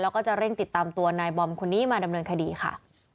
แล้วก็จะเร่งติดตามตัวนายบอมคนนี้มาดำเนินคดีค่ะ